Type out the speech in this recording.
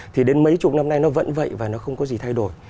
thì đến mấy chục năm nay nó vẫn vậy và nó không có gì thay đổi